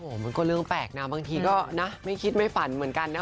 มันก็เรื่องแปลกนะบางทีก็นะไม่คิดไม่ฝันเหมือนกันนะ